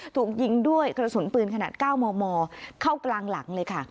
ถูกยิงด้วยกระสุนปืนขนาด๙มมเข้ากลางหลังเลยค่ะ